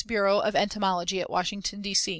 Bureau of Entomology at Washington, D.